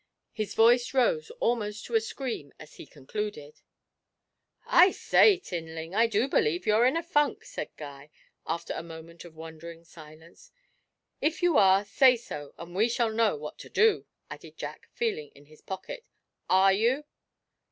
His voice rose almost to a scream as he concluded. 'I say, Tinling, I do believe you're in a funk!' said Guy, after a moment of wondering silence. 'If you are, say so, and we shall know what to do,' added Jack, feeling in his pocket. 'Are you?'